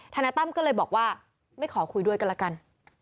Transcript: นายตั้มก็เลยบอกว่าไม่ขอคุยด้วยกันละกัน